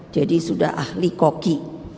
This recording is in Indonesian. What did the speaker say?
jadi sudah ahli koki